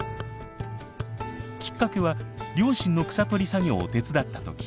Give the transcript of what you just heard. きっかけは両親の草取り作業を手伝った時。